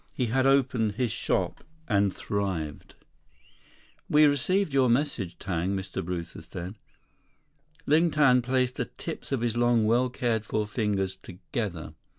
He had opened his shop and thrived. "We received your message, Tang," Mr. Brewster said. Ling Tang placed the tips of his long, well cared for fingers together.